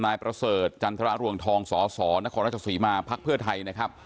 นายประเสริฐจันทรรวงทองสสนครราชสีมาพักเพื่อไทยนะครับ